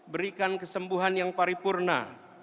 berikan kesembuhan yang paripurna